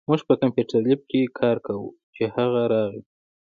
مونږ په کمپیوټر لېب کې کار کوو، چې هغه راغی